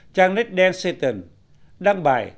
trang net đen satan đăng bài